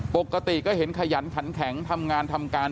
ปกติก็เห็นขยันขันแข็งทำงานทำการ